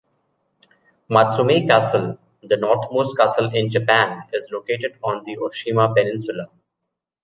Matsumae Castle, the northernmost castle in Japan, is located on the Oshima peninsula.